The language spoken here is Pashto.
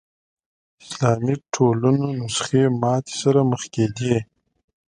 اسلامي ټولنو نسخې ماتې سره مخ کېدې